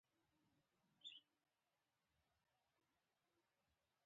• د ورځې رڼا د ژوند ښکلا ده.